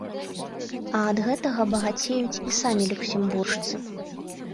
А ад гэтага багацеюць і самі люксембуржцы.